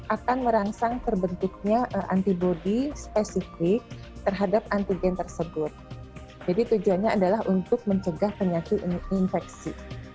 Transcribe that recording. akan merangsang terbentuknya antibody spesifik terhadap antigen tersebut jadi tujuannya adalah untuk mencegah penyakit infeksi